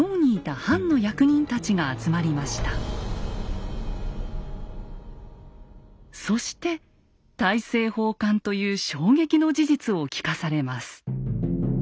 そのためそして大政奉還という衝撃の事実を聞かされます。